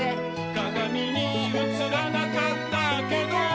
「かがみにうつらなかったけど」